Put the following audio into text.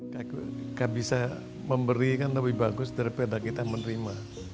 kaka bisa memberikan lebih bagus daripada kita menerima